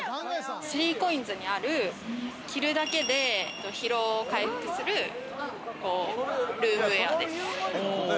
３ＣＯＩＮＳにある、着るだけで疲労回復するルームウェアです。